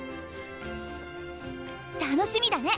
楽しみだね。